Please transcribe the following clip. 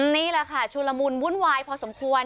นี่แหละค่ะชุลมุนวุ่นวายพอสมควร